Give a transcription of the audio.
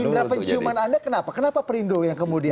nah indah penciuman anda kenapa kenapa perindo yang kemudian